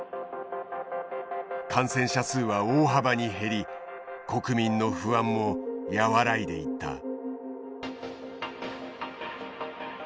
感染者数は大幅に減り国民の不安も和らいでいった。